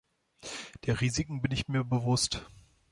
Der Risiken bin ich mir bewusst.